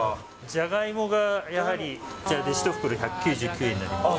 じゃがいもがやはり、こちらで１袋１９９円になります。